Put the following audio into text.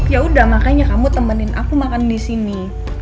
yaudah makanya kamu temenin aku makan disini